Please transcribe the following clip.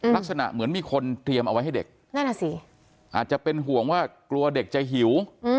ลักษณะเหมือนมีคนเตรียมเอาไว้ให้เด็กนั่นอ่ะสิอาจจะเป็นห่วงว่ากลัวเด็กจะหิว